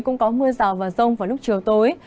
cũng có mưa rào vào sông vào lúc chiều tối